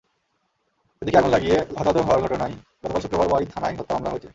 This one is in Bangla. এদিকে আগুন লাগিয়ে হতাহত হওয়ার ঘটনায় গতকাল শুক্রবার ওয়ারী থানায় হত্যা মামলা হয়েছে।